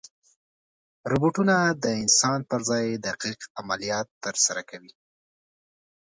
روبوټونه د انسان پر ځای دقیق عملیات ترسره کوي.